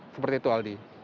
seperti itu aldi